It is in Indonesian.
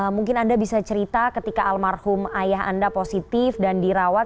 mungkin anda bisa cerita ketika almarhum ayah anda positif dan dirawat